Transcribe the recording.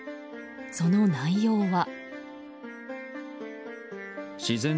その内容は。